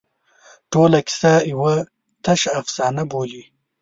ټوله کیسه یوه تشه افسانه بولي.